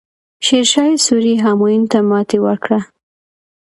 شیرشاه سوري همایون ته ماتې ورکړه.